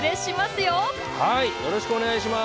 よろしくお願いします。